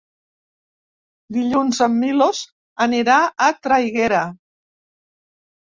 Dilluns en Milos anirà a Traiguera.